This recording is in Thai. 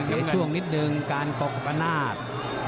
เสียช่วงนิดหนึ่งการกรกประนาจ